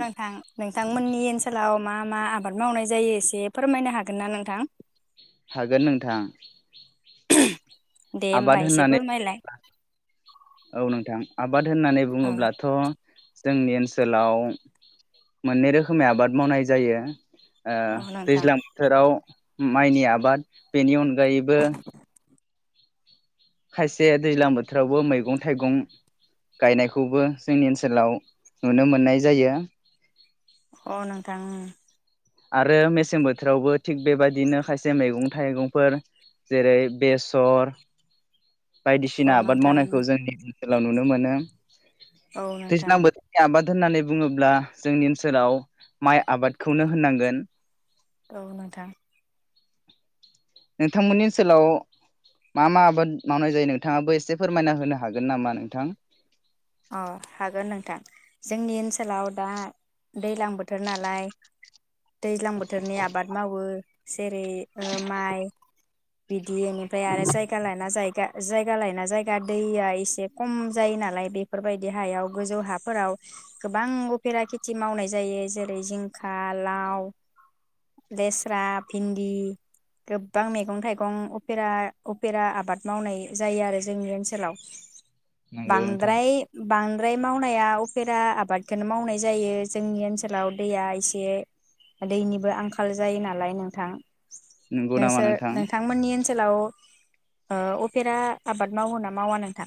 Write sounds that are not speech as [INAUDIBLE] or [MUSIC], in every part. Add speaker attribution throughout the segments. Speaker 1: नोंथां नोंथांमोननि ओनसोलाव मा मा आबाद मावनाय जायो एसे फोरमायनो हागोन ना नोंथां?
Speaker 2: हागोन नोंथां
Speaker 1: [UNINTELLIGIBLE] दे होमबा
Speaker 2: आबाद
Speaker 1: एसे
Speaker 2: होननानै
Speaker 1: फोरमायलाय
Speaker 2: बुङोब्ला औ नोंथां आबाद होननानै
Speaker 1: औ
Speaker 2: बुङोब्लाथ [INAUDIBLE] जोंनि ओनसोलाव मोननै रोखोमै आबाद मावनाय जायो। ओ
Speaker 1: औ नोंथां
Speaker 2: दैज्लां बोथोराव माइनि आबाद बेनि अनगायैबो खायसे दैज्लां बोथोरावबो मैगं थाइगं गायनायखौबो जोंनि ओनसोलाव नुनो मोननाय जायो।
Speaker 1: दां
Speaker 2: आरो मेसें बोथोरावबो थिग बेबाददिनो खायसे मैगं थाइगंफोर जेरै बेसर। बायदिसिना
Speaker 1: अ
Speaker 2: आबाद
Speaker 1: नोंथां
Speaker 2: मावनायखौ जोंनि हेलाव नुनो मोनो।
Speaker 1: औ नोंथां
Speaker 2: देज्लां बोथ नि आबाद [UNINTELLIGIBLE] होननानै बुङोब्ला जोंनि ओनसोलाव माइ आबादखौनो होननांगोन।
Speaker 1: औ नोंथां।
Speaker 2: नोंथांमोननि ओनसोलाव मा मा आबाद मावनाय जायो नोंथाङाबो एसे फोरमायना होनो हागोन नामा नोंथां?
Speaker 1: अ हागोन नोंथां जोंनि ओनसोलाव दा दैलां बोथोर नालाय। दैज्लां बोथोरनि आबाद मावो जेरै ओ माइ बि बिनिफ्राय आरो जायगा लाना जायगा। जायगा लायना जायगा दैया एसे खम जायो नालाय बे बेफोरबायदि हायाव गोजौ हाफोराव गोबां उपेरा खेथि मावनाय जायो जेरै जिंखा लाव लेस्रा भिन्दि गोबां मैगं थाइगं उपेरा उपेरा आबाद मावनाय जायो आरो जोंनि ओनसोलाव।
Speaker 2: नंगौ नोंथां
Speaker 1: बांद्राय बांद्राय मावनाया उफेरा आबादखौनो मावनाय जायो जोंनि ओनसोलाव दैया एसे दैनिबो आंखाल जायो नालाय नोंथां।
Speaker 2: नंगौ नामा
Speaker 1: नोंसोर
Speaker 2: नोंथां
Speaker 1: नोंथांमोननि ओनसोलाव उपेरा आबाद मावो ना मावा नोंथां।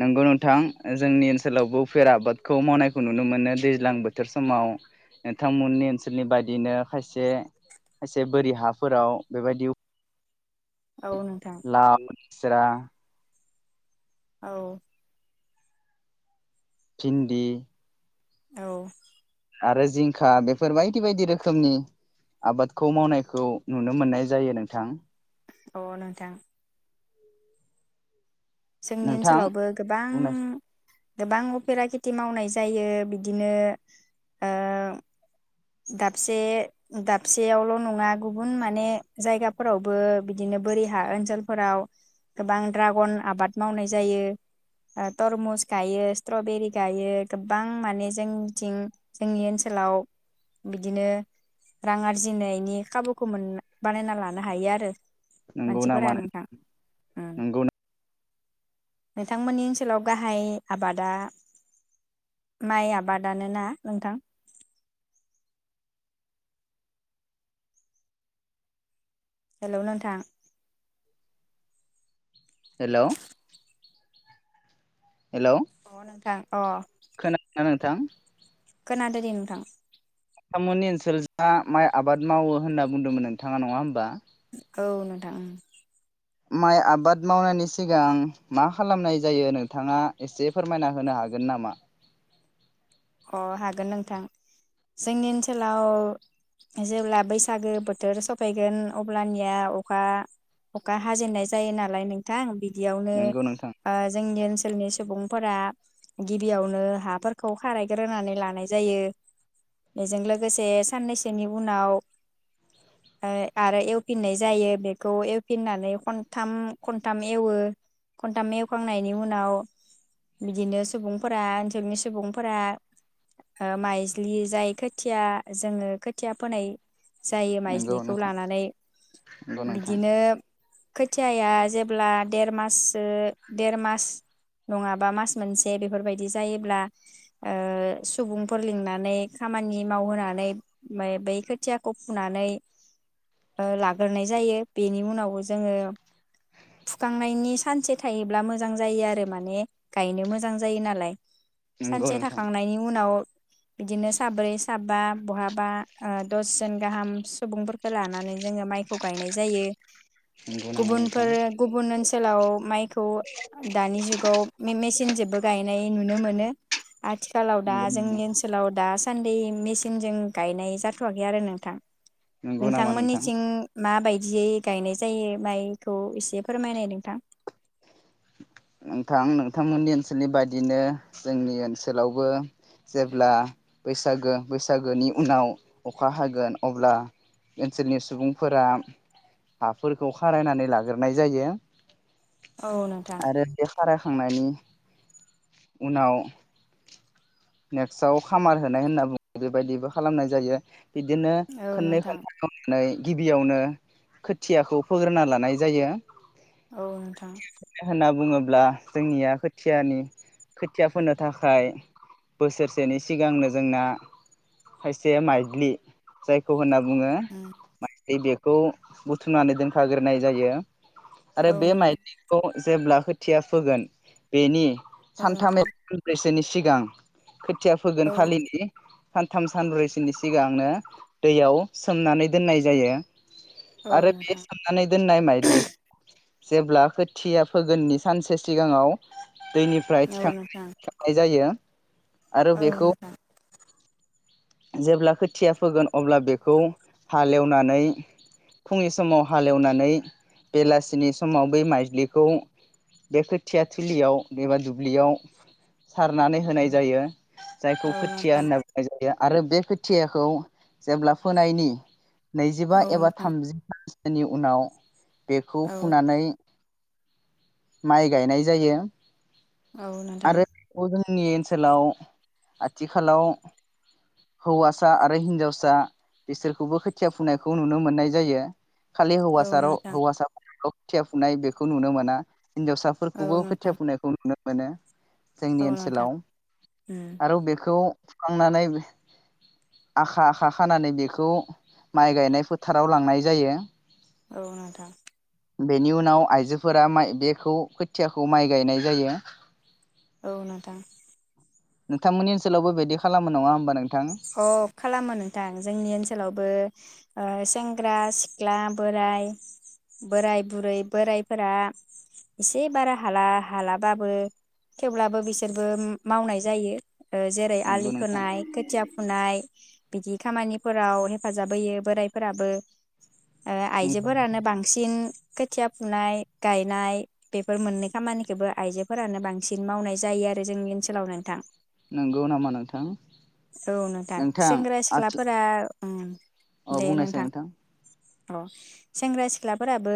Speaker 2: नोंगौ नोंथां जोंनि ओनसोलावबो उफेरा आबादखौ मावनायखौ नुनो मोनो दैज्लां बोथोर समाव नोंथांमोननि ओनसोलनि बायदिनो खायसे खायसे बोरि हाफोराव बेबायदि
Speaker 1: औ नोंथां।
Speaker 2: लाव लेस्रा।
Speaker 1: औ।
Speaker 2: भिन्दि।
Speaker 1: औ।
Speaker 2: आरो जिंखा बेफोर बायदि बायदि रोखोमनि आबादखौ मावनायखौ नुनो मोननाय जायो नोंथां।
Speaker 1: अ' नोंथां। जोंनि
Speaker 2: नोंथां
Speaker 1: ओनसोलावबो गोबां।
Speaker 2: बुंनाय
Speaker 1: गोबां उफेरा खेथि मावनाय जायो बिदिनो। दाबसे दाबसेयावल' नङा गुबुन माने जायगाफोरावबो बिदिनो बोरि हा ओनसोलफोराव गोबां ड्रागन आबाद मावनाय जायो तरमुस गायो स्ट्रबेरि गायो गोबां माने जोंनिथिं जोंनि ओनसोलाव। बिदिनो रां आरजिनायनि खाबुखौ मोन बानायना लानो हायो आरो।
Speaker 2: नंगौ नामा
Speaker 1: मानसिफोरा नोंथां।
Speaker 2: नंगौ
Speaker 1: नोंथांमोननि ओनसोलाव गाहाय आबादा माइ आबादानो ना नोंथां? हेलौ नोंथां।
Speaker 2: हेलौ। हेलौ।
Speaker 1: अ नोंथां अ
Speaker 2: खोनादोंना नोंथां
Speaker 1: खोनादो दे नोंथां
Speaker 2: नोंथांमोननि ओनसोल जा माइ आबाद मावो होनना बुंदोंमोन नोंथाङा नंङा होमबा
Speaker 1: औ नोंथां ओं
Speaker 2: माइ आबाद मावनायनि सिगां मा खालामनाय जायो नोंथाङा एसे फोरमायना होनो हागोन ना
Speaker 1: अ हागोन नोंथां जोंनि ओनसोलाव जेब्ला बैसागो बोथोर सफैगोन अब्लानिया अखा अखा हाजेननाय जायो नालाय नोंथां बेयावनो
Speaker 2: नंगौ नोंथां
Speaker 1: जोंनि ओ ओनसोलनि सुबुंफोरा गिबियावनो हाफोरखौ खारायग्रोनानै लानाय जायो बेजों लोगोसे साननैसोनि उनाव आरो एवफिननाय जायो बेखौ एवफिननानै खनथाम खनथाम एवो खनथाम एवखांनायनि उनाव बिदिनो सुबुंफोरा ओनसोलनि सुबुं फोरा माइज्लि जाय खोथिया जोंङो खोथिया फोनाय जायो
Speaker 2: नंगौ
Speaker 1: माइज्लिखौ
Speaker 2: नोंथां
Speaker 1: लानानै
Speaker 2: नंगौ नोंथां
Speaker 1: बिदिनो खोथियाया जेब्ला देर माससो देर मास नंङाबा मास मोनसे बेफोरबायदि जायोब्ला सुबुंफोर लिंनानै खामानि मावहोनानै बै खोथियाखौ फुनानै लाग्रोनाय जायो बेनि उनाव जोंङो फुखांनायनि सानसे थायोब्ला मोजां जायो आरो माने गायनो मोजां जायो नालाय।
Speaker 2: नंगौ
Speaker 1: सानसे
Speaker 2: नोंथां
Speaker 1: थाखाखांनायनि उनाव। बिदिनो साब्रै साबा बहाबा दसजन गाहाम सुबुंफोरखौो लानानै जोंङो माइखौ गायनाय जायो
Speaker 2: नंगौ नामा नोंथां
Speaker 1: गुबुनफोर गुबुन ओनसोलाव माइखौ दानि जुगाव मेचन जबो गायनाय नुनो मोनो आथिखालाव दा जोंनि
Speaker 2: नंगौ
Speaker 1: ओनसोलाव दा सान्दि मेचिनजों गायनाय जाथवाखै आरो नोंथां
Speaker 2: नामा नोंथां
Speaker 1: नोंथांमोननिथिं माबायदि बिदियै गायनाय जायो माइखौ इसे फोरमायनाय नोंथां
Speaker 2: नोंथां नोंथांमोननि ओनसोलनि बायदिनो जोंनि ओनसोलावबो जेब्ला बैसागो बैसागोनि उनाव अखा हागोन अब्ला ओनसोलनि सुबुंफोरा हाफोरखौ खारायनानै लाग्रोनाय जायो
Speaker 1: औ नोंथां
Speaker 2: आरोे थांनायनि उनाव नेक्स्टआव खामार होनाय होनना बुंङो बेबायदिबो खालामनाय जायो बिदिनो
Speaker 1: औ
Speaker 2: खननै
Speaker 1: नोंथां
Speaker 2: खोनथैनानै गिबियावनो खोथियाखौ फोग्रोना लानाय जायो
Speaker 1: औ नोंथां
Speaker 2: होनना बुंङोब्ला जोंनिया खथियानि खोथिया फोनो थाखाय बोसोरसेनि सिगांनो जोंना खायसे माइलि जायखौ होनना बु बुङो [INAUDIBLE] खौ बुथुमनानै दोनखाग्रोनाय जायो आरो
Speaker 1: औ
Speaker 2: माइ
Speaker 1: नोंथां
Speaker 2: जेब्ला खोथिया फोगोन बेनि
Speaker 1: औ
Speaker 2: सानथाम
Speaker 1: नोंथां
Speaker 2: एब्रैसोनि सिगां खोथिया फोगोन
Speaker 1: औ
Speaker 2: खालिनि सानथाम सानब्रैसोनि सिगांनो दैयाव सोमनानै दोननाय जायो
Speaker 1: औ
Speaker 2: आरो बे
Speaker 1: नोंथां
Speaker 2: सोमनानै दोननाय मायजलि जेब्ला खोथ थिया फोगोननि सानसे सिगाङाव दैनिफ्राय थिखां
Speaker 1: औ नोंथां
Speaker 2: थिखांनाय जायो। आरो
Speaker 1: औ
Speaker 2: बेखौ
Speaker 1: नोंथां
Speaker 2: जेब्ला खोथिया फोगोन अब्ला बेखौ हालेवनानै फुंनि समाव हालेवनानै बेलासिनि समाव बै माइज्लिखौ बे खोथिया थोलियाव एबा दुब्लियाव सारनानै होनाय जायो। जायखौ
Speaker 1: औ
Speaker 2: खोथिया
Speaker 1: नोंथां
Speaker 2: होनना बुंनाय जायो। आरो बे खोथियाखौ जेब्ला फोनायनि नैजिबा
Speaker 1: औ
Speaker 2: एबा
Speaker 1: नोंथां
Speaker 2: थामजि [UNINTELLIGIBLE] बेनि उनाव बेखौ
Speaker 1: औ
Speaker 2: फुनानै माइ गायनाय जायो।
Speaker 1: औ नोंथां।
Speaker 2: आरो बेखौ जोंनि ओनसोलाव आथिखालाव हौवासा आरो हिनजावसा बिसोरखौबो खोथिया फुंनायखौ नुनो मोननाय जायो। खालि हौवासा
Speaker 1: औ
Speaker 2: र'
Speaker 1: नोंथां
Speaker 2: हौवासा [UNINTELLIGIBLE] थिया फुनाय बेखौ नुनो मोना। हिन्जावसाफोरखौबो
Speaker 1: औ
Speaker 2: खोथिया
Speaker 1: नोंथां
Speaker 2: फुनायखौ नुनो मोनो।
Speaker 1: औ नोंथां
Speaker 2: जोंनि
Speaker 1: औ
Speaker 2: ओनसोलाव आरो बेखौ फुखांनानै आखा आखा खानानै बेखौ माइ गायनाय फोथाराव लांनाय जायो।
Speaker 1: औ नोंथां।
Speaker 2: बेनि उनाव आइजोफोरा माइ बेखौ खोथियाखौ माइ गायनाय जायो।
Speaker 1: औ नोंथां।
Speaker 2: नोंथांमोननि ओनसोलावबो बेदि खालामो नङा होमबा नों
Speaker 1: अ' खालामो नोंथां जोंनि ओनसोलावबो ओ सेंग्रा सिख्ला बोराय बोराय बुरै बोरायफोरा एसे बारा हाला हालाबाबो थेवब्लाबो बिसोरबो मावनाय जायो। ओ जेरै
Speaker 2: नंगौ
Speaker 1: आलि
Speaker 2: नोंथां
Speaker 1: खोनाय खोथिया नाय बिदि खामानिफोराव हेफाजाब होयो बोराइफोराबो। ओ आइजोफोरानो बांसिन खोथिया फुनाय गायनाय बेफोर मोननै खामानिखोबो आइजोफोरानो बांसिन मावनाय जायो आरो जोंनि ओनसोलाव नोंथां।
Speaker 2: नंगौ नामा नोंथां?
Speaker 1: औ नोंथां सेंग्रा सिख्लाफोरा उम
Speaker 2: अ
Speaker 1: दे
Speaker 2: बुंनायसाय
Speaker 1: नोंथां। अ सेंग्रा सिख्लाफोराबो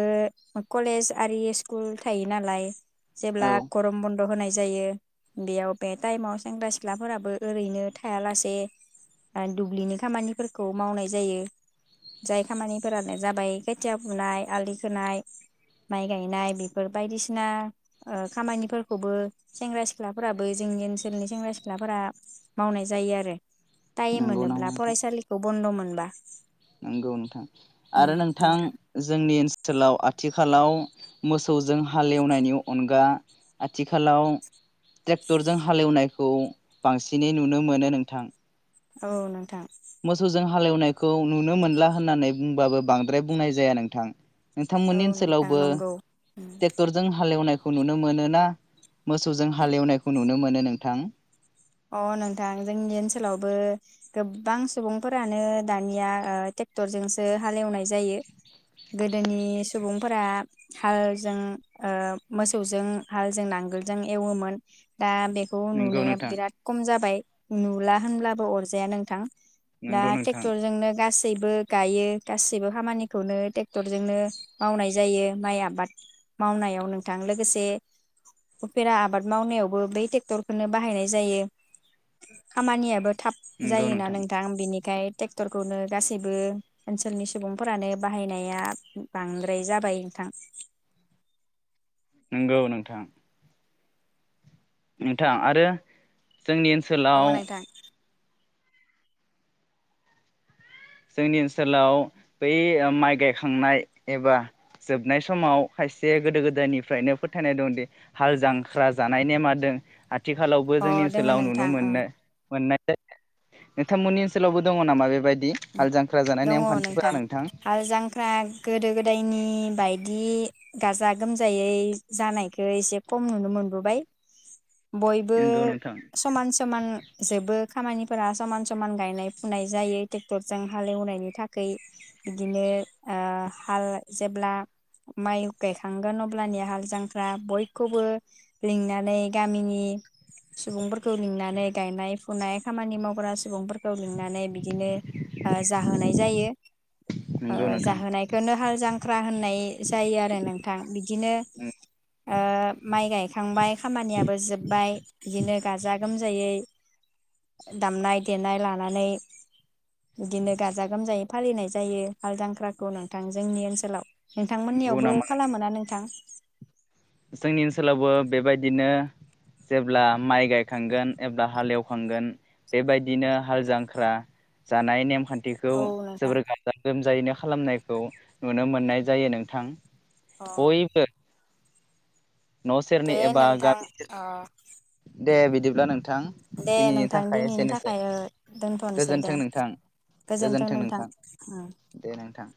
Speaker 1: कलेज आरि स्कुल थायो नालाय जेब्ला
Speaker 2: औ
Speaker 1: गरम बन होनाय जायो बेयाव बे टाइमाव सेंग्रा सिख्लाफोराबो ओरैनो थायालासे ए ओ दुब्लिनि खामानिफोरखौ मावनाय जायो। जाय खामानिफोरानो जाबाय खोथिया फुनाय आलि खोनाय माइ गायनाय बेफोर बायदिसिना ओ खामानिफोरखौबो सेंग्रा सिख्लाफोराबो जोंनि ओनसोलनि सेंग्रा सिख्लाफोरा मावनाय जायो आरो। टाइम
Speaker 2: नंगौ नामा
Speaker 1: मोनोब्ला
Speaker 2: नोंथां
Speaker 1: फरायसालिखौ बन्द' मोन बा
Speaker 2: नंगौ नोंथां आरो नोंथां जोंनि ओनस लाव आथिखालाव मोसौजों हालेवनायनि अनगा आथिखालाव टेक्टरजों हालेवनायखौ बांसिनै नुनो मोनो नोंथां।
Speaker 1: औ नोंथां।
Speaker 2: मोसौजों हालेवनायखौ नुनो मोनला होननानै बुंबाबो बांद्राय बुंनाय जाया नोंथां।
Speaker 1: औ
Speaker 2: नोंथांमोननि
Speaker 1: नोंथां
Speaker 2: ओनसोलावबो
Speaker 1: नंगौ
Speaker 2: टेक्टरजों हालेवनाय खौ नुनो मोनो ना मोसौजों हालएवनायखौ नुनो मोनो नोंथां?
Speaker 1: अ नोंथां जोंनि ओनसोलावबो गोबां सुबुंफोरानो दानिया ओ टेक्टरजोंसो हाल एवनाय जायो गोदोनि सुबुंफोरा हालजों ओ मोसौजों हालजों नांगोलजों एवोमोन। दा बेखौ
Speaker 2: नंगौ
Speaker 1: नुनाया
Speaker 2: नोंथां
Speaker 1: बिराद जाबाय नुला होनब्लाबो अरजाया नोंथां। दा
Speaker 2: नंगौ नोंथां
Speaker 1: टेक्टरजोंनो गास सैबो गायो गासैबो खामानिखौनो ट्रेक्टरजोंनो मावनाय जायो माइ आबाद मावनायाव नोंथां लोगोसे उपेरा आबाद मावनायावबो बै टेक्टरखौनो बाहायनाय जायो। खामानियाबो थाब जायोना नोंथां बिनि खाय टेक्टरखौनो गासैबो ओनसोलनि सुबुंफोरानो बाहायनाया बांद्राय जाबाय नोंथां।
Speaker 2: नोंगौ नोंथां। नोंथां आरो जोंनि
Speaker 1: औ
Speaker 2: ओनसोलाव
Speaker 1: नोंथां
Speaker 2: जोंनि ओनसोलाव बै ओ माइ गायखांनाय एबा जोबनाय समाव खायसे गोदो गोदायनिफ्रायनो फोथायनाय दंदि हाल जांख्रा जानाय नेमा दों। आथिखालावबो जोंनि
Speaker 1: अ दोङो
Speaker 2: ओनसोलाव नुनो
Speaker 1: नोंथां
Speaker 2: मोननाय
Speaker 1: औ
Speaker 2: मोननाय दे नोंथांमोननि ओनसोलावबो दङ नामा बेबायदि? हाल जांख्रा जानाय
Speaker 1: दङ
Speaker 2: नेमखान्थिफोरा
Speaker 1: नोंथां हाल जांख्रा गोदो गोदायनि बायदि गाजा गोमजायै जानायखो एसे खम नुनो मोनबोबाय। बयबो
Speaker 2: नंगौ नोंथां
Speaker 1: समान समान जोबो। खामानिफोरा समान समान गायनाय फुनाय जायो टेक्टरजों हालेवनायनि थाखै बिदिनो ओ हाल जेब्ला माइ गायखांगोन अब्लानि हाल जांख्रा बयखौबो लिंनानै गामिनि सुबुंफोरखौ लिंनानै गायनाय फुनाय खामानि मावग्रा सुबुंफोर खौ लिंनानै बिदिनो ओ जाहोनाय जायो ओ
Speaker 2: नंगौ नोंथां
Speaker 1: जाहोनायखोनो हाल जांख्रा होननाय जायो आरो नोंथां बिदिनो ओ माइ गायखांबाय खामानिया जोबबाय बिदिनो गाजा गोमजायै दामनाय देनाय लानानै बिदिनो गाजा गोमजायै फालिनाय जायो हालजांख्राखौ नोंथां जोंनि ओनसोलाव।
Speaker 2: नंगौ
Speaker 1: नोंथांमोननियावबो
Speaker 2: नामा
Speaker 1: खालामोना नोंथां?
Speaker 2: जोंनि ओनसोलावबो बेबायदिनो जेब्ला माइ गायखांगोन एब्ला हाल एवखांगोन बेबायदिनो हाल जांख्रा जानाय नेम खान्थिखौ
Speaker 1: औ नोंथां
Speaker 2: जोबोर गाजा गोमजायैनो खालामनायखौ नुनो मोननाय जायो नोंथां।
Speaker 1: अ
Speaker 2: बयबो। न' सेरनि
Speaker 1: दे
Speaker 2: एबा
Speaker 1: नोंथां
Speaker 2: गामि
Speaker 1: अ
Speaker 2: सेरनि दे बिदिब्ला नोंथां
Speaker 1: दे
Speaker 2: दिनैनि
Speaker 1: नोंथां
Speaker 2: थाखाय
Speaker 1: दिनैनि
Speaker 2: एसेनोसै
Speaker 1: थाखाय ओ दोनथ'नोसै दे
Speaker 2: गोजोनथों नोंथां गोजोनथों नोंथां
Speaker 1: उम
Speaker 2: दे नोंथां।